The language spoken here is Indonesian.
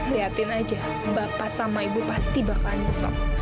lihatin aja bapak sama ibu pasti bakalan nyesel